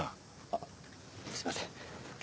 あっすいません。